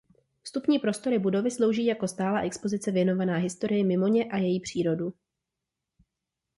Vstupní prostory budovy slouží jako stálá expozice věnovaná historii Mimoně a její přírodu.